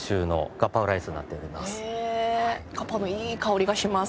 ガパオのいい香りがします。